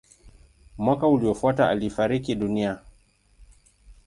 Mwaka uliofuata alifariki dunia.